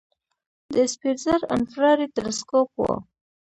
د سپیتزر انفراریډ تلسکوپ و.